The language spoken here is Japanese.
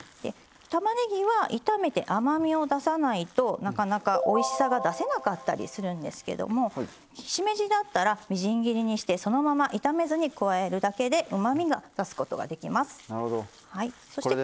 たまねぎは炒めて甘みを出さないとなかなかおいしさが出せなかったりするんですけどもしめじだったらみじん切りにしてそのまま炒めずに加えるだけでうまみを出すことができます。